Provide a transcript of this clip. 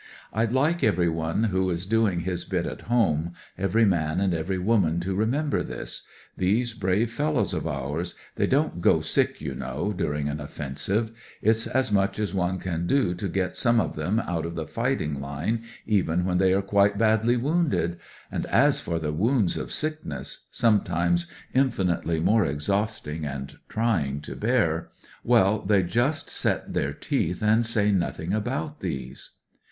" I'd like everyone who is doing his bit at home, every man and every woman, to remember this. These brave fellows of ours they won't ' go sick,' you know, during an offensive. It's as much as one can do to get some of them out of the fighting line even when they are quite badly woimded, and as for the wounds of sickness — sometimes infinitely more ex hausting and trying to bear — ^well, they just set their teeth and say nothing about these.